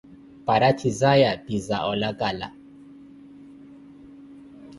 Paratizaya pi za olacala.